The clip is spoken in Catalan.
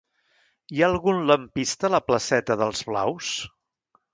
Hi ha algun lampista a la placeta d'Els Blaus?